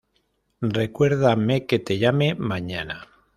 Recuérdame que te llame mañana